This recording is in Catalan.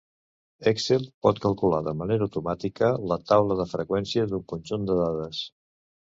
Excel pot calcular de manera automàtica la taula de freqüència d'un conjunt de dades.